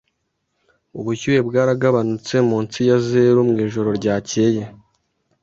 Ubushyuhe bwaragabanutse munsi ya zeru mwijoro ryakeye.